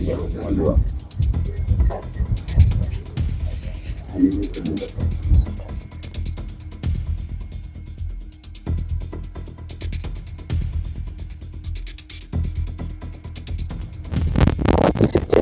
กลัวอย่าเลย